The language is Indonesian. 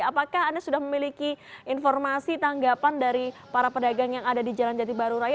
apakah anda sudah memiliki informasi tanggapan dari para pedagang yang ada di jalan jati baru raya